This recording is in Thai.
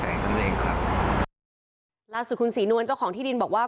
ใช่เท่านั้นเองครับล่าสุดคุณศรีนวลเจ้าของที่ดินบอกว่า